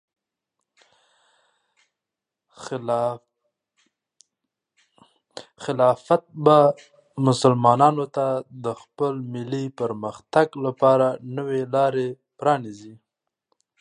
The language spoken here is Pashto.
خلافت به مسلمانانو ته د خپل ملي پرمختګ لپاره نوې لارې پرانیزي.